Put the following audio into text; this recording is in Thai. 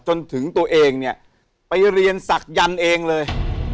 จนถึงตัวเองเนี่ยไปเรียนศักยันต์เองเลย